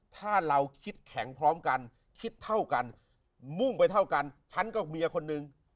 ถ้าเราคิดแข็งพร้อมกันคิดเท่ากันมุ่งไปเท่ากันฉันก็เมียคนนึง